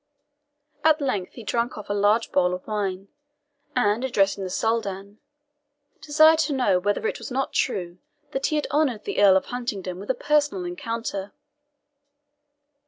At length he drank off a large bowl of wine, and addressing the Soldan, desired to know whether it was not true that he had honoured the Earl of Huntingdon with a personal encounter.